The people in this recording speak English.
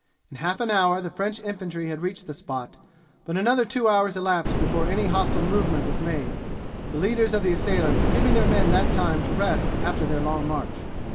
In half an hour the French infantry had reached the spot, but another two hours elapsed before any hostile movement was made, the leaders of the assailants giving their men that time to rest after their long march.